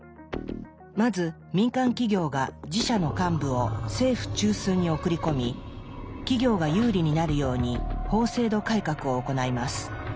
まず民間企業が自社の幹部を政府中枢に送り込み企業が有利になるように法制度改革を行います。